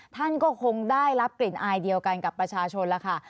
ท่านก็คงได้รับกลิ่นอายเดียวกันกับประชาชนแล้วค่ะ